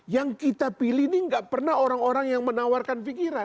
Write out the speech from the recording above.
yang kita pilih ini gak pernah orang orang yang menawarkan pikiran